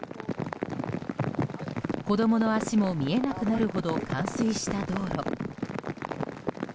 子供の足も見えなくなるほど冠水した道路。